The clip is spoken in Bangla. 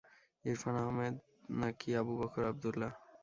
ইরফান আহেমদ না কি আবু বকর আবদুল্লাহ?